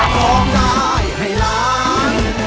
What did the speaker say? ขอบคุณครับ